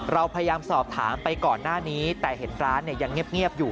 เราพยายามสอบถามไปก่อนหน้านี้แต่เห็นร้านเนี่ยยังเงียบอยู่